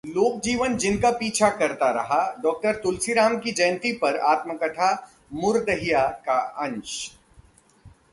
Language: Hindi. लोकजीवन जिनका पीछा करता रहा, डॉ तुलसीराम की जयंती पर आत्मकथा 'मुर्दहिया' का अंश